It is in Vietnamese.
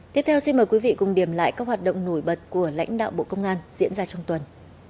tiếp theo xin mời quý vị cùng điểm lại các hoạt động nổi bật của lãnh đạo bộ công an diễn ra trong tuần